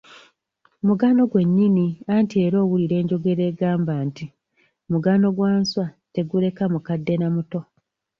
Mugano gwennyini anti era owulira enjogera egamba nti, "Mugano gwa nswa teguleka mukadde na muto".